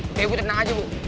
oke ibu tenang aja bu